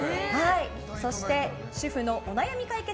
そして、主婦のお悩み解決！